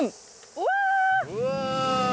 うわ！